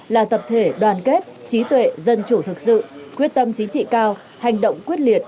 là tập thể đoàn kết trí tuệ dân chủ thực sự quyết tâm chính trị cao hành động quyết liệt